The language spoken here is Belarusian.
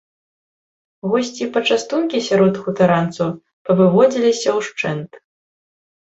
Госці і пачастункі сярод хутаранцаў павыводзіліся ўшчэнт.